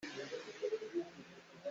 A hmai a rau.